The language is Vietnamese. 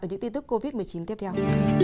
những tin tức covid một mươi chín tiếp theo